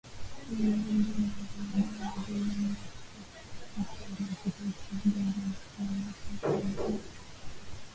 kuwa mbunge na baadaye waziri miaka sita iliyopitaUchaguzi Mkuu wa mwaka elfu mbili